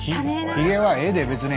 ひげはええで別に。